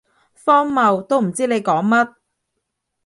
荒謬，都唔知你講乜